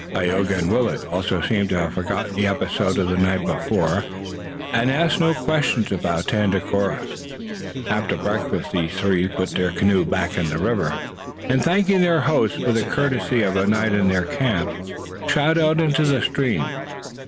Tayoga and Willet also seemed to have forgotten the episode of the night before, and asked no questions about Tandakora. After breakfast, the three put their canoe back in the river, and thanking their hosts for the courtesy of a night in their camp, shot out into the stream.